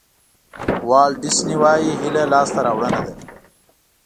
والټ ډیسني وایي هیله لاسته راوړنه ده.